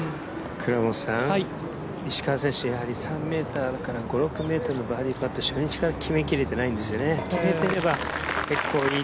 石川選手、やはり３６ｍのバーディーパットを初日から決めきれていないんですよね。